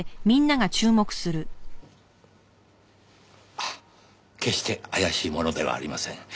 あっ決して怪しい者ではありません。